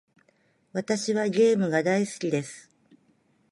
私はゲームが大好きです。